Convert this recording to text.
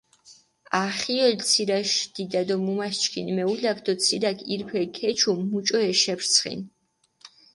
ახიოლ ცირაშ დიდა დო მუმას ჩქინ მეულაქ დო ცირაქ ირფელი ქეჩიუ მუჭო ეშეფრსხინ.